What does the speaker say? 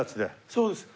そうです。